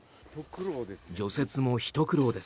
除雪も、ひと苦労です。